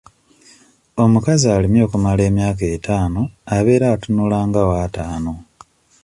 Omukazi alimye okumala emyaka etaano abeera atunulanga w'ataano.